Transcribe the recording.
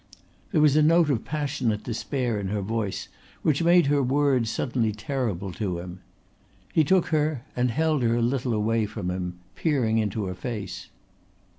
There was a note of passionate despair in her voice which made her words suddenly terrible to him. He took her and held her a little away from him, peering into her face.